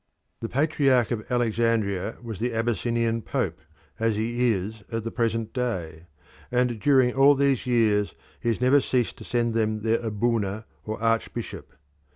The Patriarch of Alexandria was the Abyssinian pope, as he is at the present day, and during all these years he has never ceased to send them their aboona or archbishop.